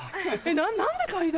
何で階段？